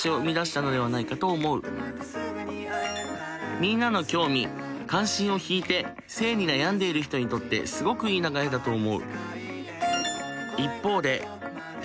みんなの興味・関心をひいて性に悩んでいる人にとってすごくいい流れだと思う。